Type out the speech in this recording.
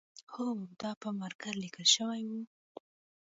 هو او دا په مارکر لیکل شوی و